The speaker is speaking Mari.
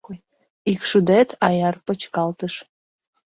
Ик шудет, аяр почкалтыш